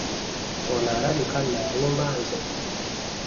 Ono alabika nno alumba nze.